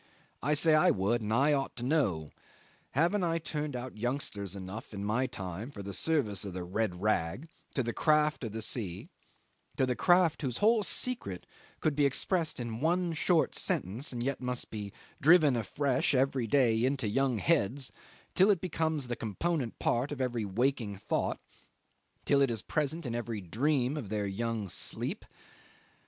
I say I would, and I ought to know. Haven't I turned out youngsters enough in my time, for the service of the Red Rag, to the craft of the sea, to the craft whose whole secret could be expressed in one short sentence, and yet must be driven afresh every day into young heads till it becomes the component part of every waking thought till it is present in every dream of their young sleep!